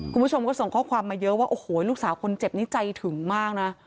คุณผู้ชมก็ส่งข้อความมาเยอะว่าโอ้โหลูกสาวคนเจ็บนี้ใจถึงมากนะ